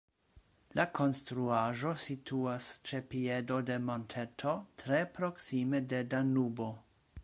La konstruaĵo situas ĉe piedo de monteto tre proksime de Danubo.